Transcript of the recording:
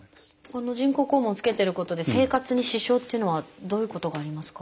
この人工肛門つけてることで生活に支障っていうのはどういうことがありますか？